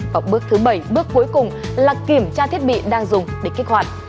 và bước thứ bảy bước cuối cùng là kiểm tra thiết bị đang dùng để kích hoạt